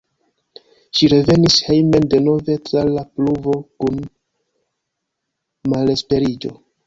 Ŝi revenis hejmen denove tra la pluvo kun malesperiĝo.